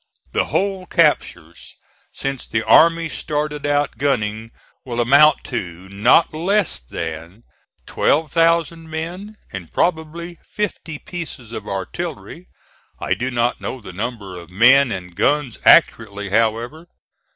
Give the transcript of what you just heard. The whole captures since the army started out gunning will amount to not less than twelve thousand men, and probably fifty pieces of artillery. I do not know the number of men and guns accurately however.